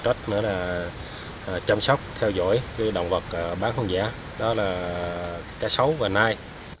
trách nữa là chăm sóc theo dõi đồng vật bán không giả đó là cá sấu và nai